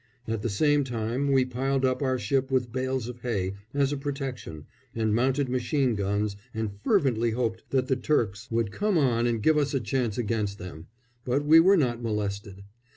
At the same time we piled up our ship with bales of hay, as a protection, and mounted machine guns, and fervently hoped that the Turks would come on and give us a chance against them; but we were not molested.